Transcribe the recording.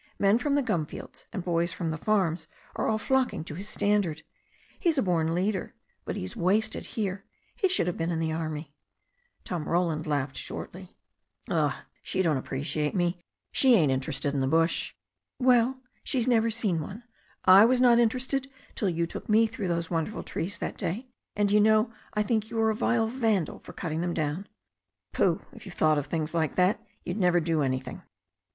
Men from the gum fields and boys from the farms are all flocking to his standard. He's a born leader. But he is wasted here. He should have been in the army." Tom Roland laughed shortly. 52 THE STORY OF A NEW ZEALAND RIVER "Oh, she don't appreciate me. She ain't interested in the bush." "Well, she has never seen one. I was not interested till you took me through those wonderful trees that day. And you know I think you are a vile Vandal for cutting them down." "Pooh! If you thought of things like that you'd never do anything."